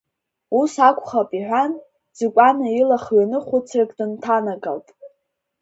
Ус акәхап, — иҳәан, Ӡыкәана ила хҩаны хәыцрак дынҭанагалт.